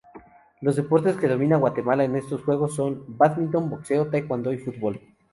Los deportes que domina Guatemala en estos juegos son: bádminton, boxeo, taekwondo y fútbol.